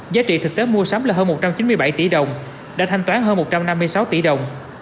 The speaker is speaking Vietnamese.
giá hơn một trăm năm mươi sáu tỷ đồng